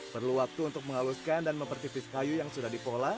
perlu waktu untuk menghaluskan dan mempertipis kayu yang sudah dipola